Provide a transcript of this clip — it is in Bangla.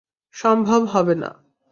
সম্ভব হবে না।